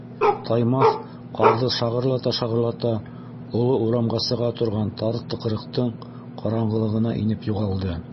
Таймаҫ, ҡарҙы шағырлата-шағырлата, оло урамға сыға торған тар тыҡрыҡтың ҡараңғылығына инеп юғалды.